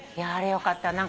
あれよかった。